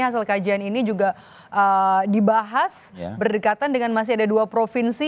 hasil kajian ini juga dibahas berdekatan dengan masih ada dua provinsi